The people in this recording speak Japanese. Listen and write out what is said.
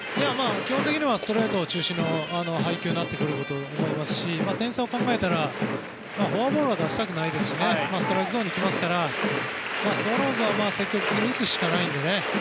基本的にはストレート中心の配球になってくると思いますし点差を考えたらフォアボールは出したくないですしストライクゾーンに来ますからスワローズは積極的に打つしかないので。